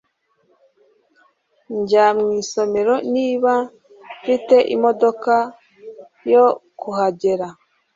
njya mu isomero niba mfite imodoka yo kuhagera